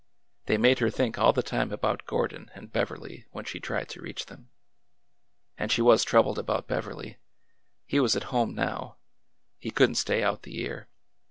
They made her think all the time about Gordon and Beverly when she tried to reach them. And she was troubled about Beverly. He was at home now. He could n't stay out the year.